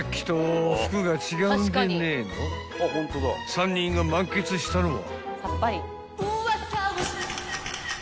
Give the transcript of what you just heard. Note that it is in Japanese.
［３人が満喫したのは］